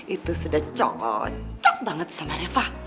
itu sudah cocok banget sama reva